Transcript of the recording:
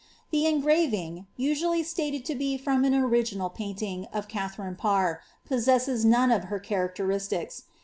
The eni^mvini;, usually staled lo be from an orifinal paintiif, of Katharine Parr,' poasessea none of her chaiacteriatica.